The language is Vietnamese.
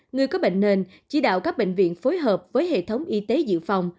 người có bệnh nền chỉ đạo các bệnh viện phối hợp với hệ thống y tế dự phòng